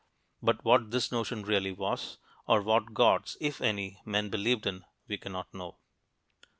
But what this notion really was, or what gods (if any) men believed in, we cannot know.